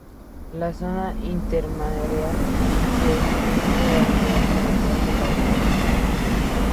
La zona intermareal, se extiende hacia el interior de la bahía.